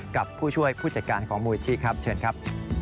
กับผู้ช่วยผู้จัดการของมูลที่ครับเชิญครับ